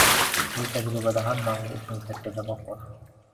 – bu tajribada hammamiz uchun katta saboq bor.